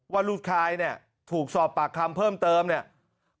ว่าลูกชายเนี่ยถูกสอบปากคำเพิ่มเติมเนี่ย